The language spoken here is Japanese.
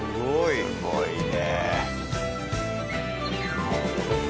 すごいね。